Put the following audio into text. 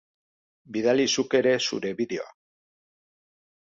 Bidali zuk ere zure bideoa.